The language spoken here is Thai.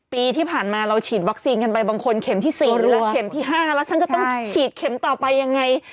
ปีที่ผ่านมาเราฉีดวัคซีนกันไปบางคนเข็มที่๔หรือเข็มที่๕แล้วฉันจะต้องฉีดเข็มต่อไปยังไง